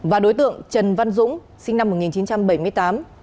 và đối tượng trần văn dũng sinh năm một nghìn chín trăm bảy mươi tám